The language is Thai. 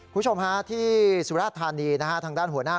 คุณชมที่สุรราชทานีทางด้านหัวหน้า